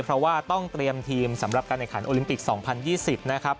เพราะว่าต้องเตรียมทีมสำหรับการแข่งขันโอลิมปิก๒๐๒๐นะครับ